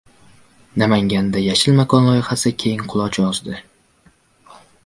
Namanganda "Yashil makon" loyihasi keng quloch yozdi